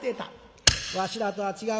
「わしらとは違う。